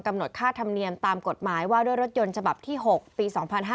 หดค่าธรรมเนียมตามกฎหมายว่าด้วยรถยนต์ฉบับที่๖ปี๒๕๕๙